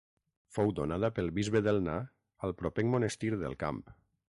Fou donada pel bisbe d'Elna al propenc Monestir del Camp.